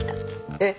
「えっ？」